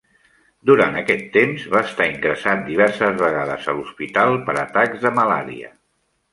Durant aquest temps, va estar ingressat diverses vegades a l'hospital per atacs de malària.